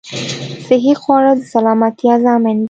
صحې خواړه د سلامتيا ضامن ده